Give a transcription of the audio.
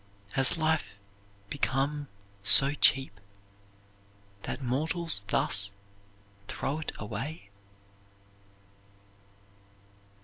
Has life become so cheap that mortals thus throw it away?